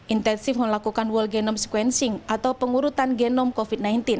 intensif melakukan world genome sequencing atau pengurutan genetik